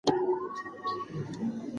امیل دورکهایم د ټولنیزو واقعیتونو بحث کړی دی.